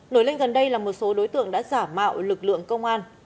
nổi lên gần đây là một số đối tượng đã giả mạo lực lượng công an